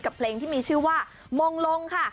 เพลงที่มีชื่อว่ามงลงค่ะ